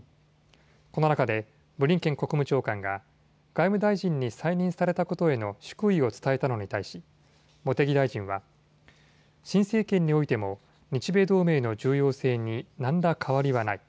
この中でブリンケン国務長官が外務大臣に再任されたことへの祝意を伝えたのに対し、茂木大臣は新政権においても日米同盟の重要性に何ら変わりはない。